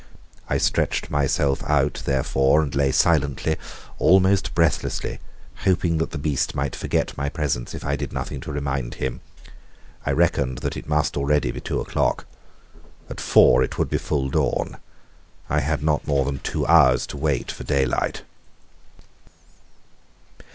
I stretched myself out, therefore, and lay silently, almost breathlessly, hoping that the beast might forget my presence if I did nothing to remind him. I reckoned that it must already be two o'clock. At four it would be full dawn. I had not more than two hours to wait for daylight.